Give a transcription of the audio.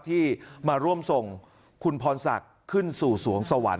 ที่มาร่วมส่งคุณพรศักดิ์ขึ้นสู่สวงสวรรค